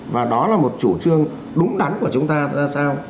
và đó là một chủ trương đúng đắn của chúng ta ra sao